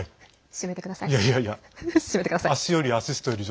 締めてください！